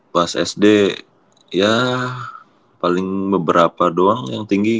pas sd ya paling beberapa doang yang tinggi